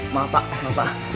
maaf pak maaf pak